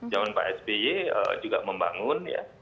zaman pak sby juga membangun ya